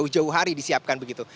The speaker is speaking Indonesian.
jauh hari disiapkan begitu